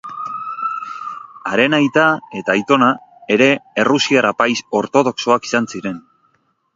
Haren aita eta aitona ere errusiar apaiz ortodoxoak izan ziren.